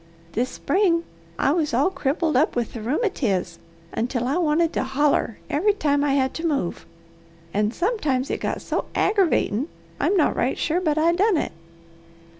This spring I was all crippled up with the rheumatiz until I wanted to holler every time I had to move, and sometimes it got so aggravatin' I'm not right sure but I done it.